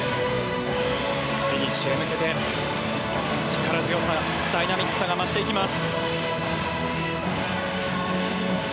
フィニッシュへ向けて力強さダイナミックさが増していきます。